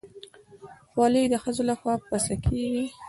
خولۍ د ښځو لخوا پسه کېږي.